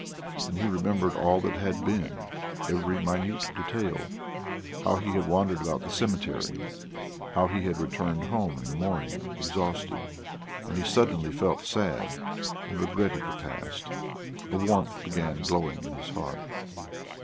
And he remembered all that had been, every minute detail; how he had wandered about the cemetery, how he had returned home in the morning exhausted, and he suddenly felt sad and regretted the past. A warmth began glowing in his heart.